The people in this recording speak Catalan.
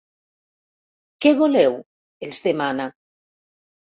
Què voleu? —els demana.